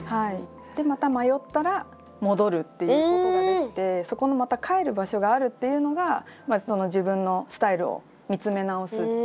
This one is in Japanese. でまた迷ったら戻るっていうことができてそこのまた帰る場所があるっていうのが自分のスタイルを見つめ直す